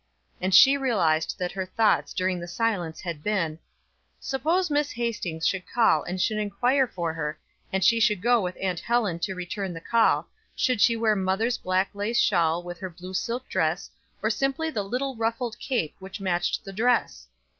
And she realized that her thoughts during the silence had been: "Suppose Miss Hastings should call and should inquire for her, and she should go with Aunt Helen to return the call, should she wear mother's black lace shawl with her blue silk dress, or simply the little ruffled cape which matched the dress!